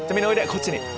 こっちに。